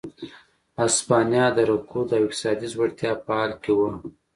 هسپانیا د رکود او اقتصادي ځوړتیا په حال کې وه.